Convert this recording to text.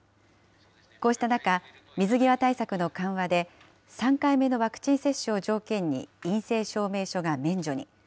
こうした中、水際対策の緩和で、３回目のワクチン接種を条件に陰性証明書が免除に。